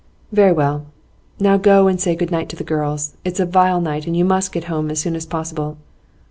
'Very well. Now go and say good night to the girls. It's a vile night, and you must get home as soon as possible.